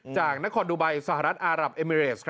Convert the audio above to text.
จากนครดูไบสหรัฐอารับเอมิเรส